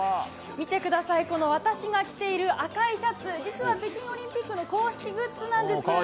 見てください、私が着ている赤いシャツ実は北京オリンピックの公式グッズなんです。